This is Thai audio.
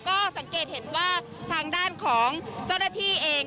ก็สังเกตเห็นว่าทางด้านของเจ้าหน้าที่เอง